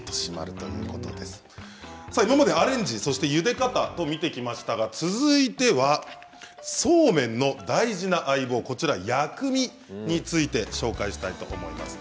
今までアレンジ、ゆで方と見てきましたが、続いてはそうめんの大事な相棒薬味について紹介したいと思います。